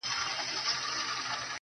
و خوږ زړگي ته مي.